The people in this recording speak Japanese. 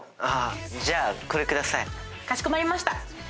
あぁじゃあこれください。かしこまりました。